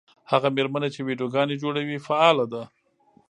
هغه مېرمنه چې ویډیوګانې جوړوي فعاله ده.